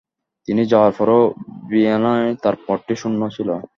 তিনি যাওয়ার পরও ভিয়েনায় তার পদটি শূন্যই ছিল।